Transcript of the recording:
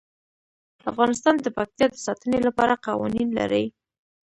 افغانستان د پکتیا د ساتنې لپاره قوانین لري.